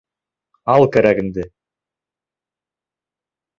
Ал кәрәгеңде!